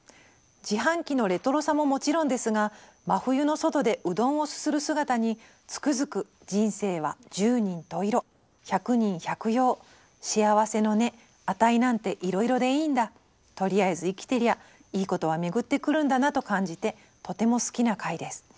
「自販機のレトロさももちろんですが真冬の外でうどんをすする姿につくづく人生は十人十色百人百様幸せの値値なんていろいろでいいんだとりあえず生きてりゃいいことは巡ってくるんだなと感じてとても好きな回です」。